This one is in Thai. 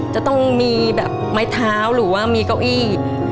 จะต้องมีแบบไม้เท้าหรือว่ามีเก้าอี้